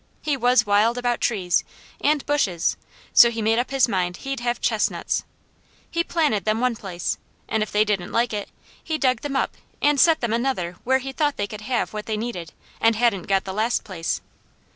He was wild about trees, and bushes, so he made up his mind he'd have chestnuts. He planted them one place, and if they didn't like it, he dug them up and set them another where he thought they could have what they needed and hadn't got the last place.